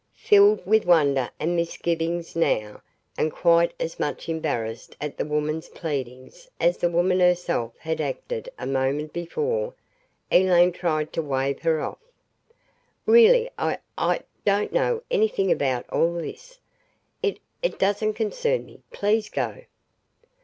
Filled with wonder, and misgivings now, and quite as much embarrassed at the woman's pleadings as the woman herself had acted a moment before, Elaine tried to wave her off. "Really I I don't know anything about all this. It it doesn't concern me. Please go."